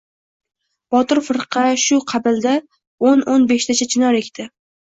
Botir firqa shu qabilda o‘n-o‘n beshtacha chinor ekdi.